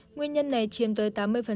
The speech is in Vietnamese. nguyên nhân này chiêm tới tám mươi